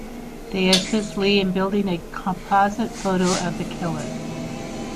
They assist Lee in building a composite photo of the killer.